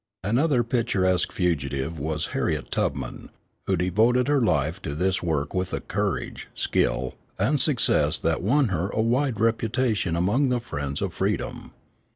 Another picturesque fugitive was Harriet Tubman, who devoted her life to this work with a courage, skill, and success that won her a wide reputation among the friends of freedom.